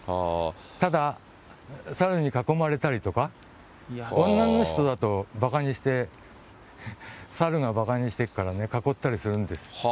ただ、サルに囲まれたりとか、女の人だとばかにして、サルがばかにしているからね、囲ったりするんです。